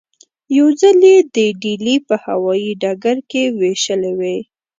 یو ځل یې د ډیلي په هوايي ډګر کې وېشلې وې.